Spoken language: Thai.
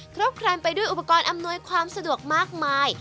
ครบครันไปด้วยอุปกรณ์อำนวยความสะดวกมากมาย